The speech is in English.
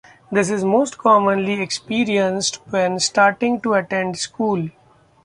This is most commonly experienced when starting to attend school.